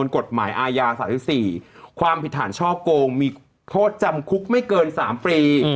กฎหมายอาญา๓๔ความผิดฐานช่อโกงมีโทษจำคุกไม่เกิน๓ปี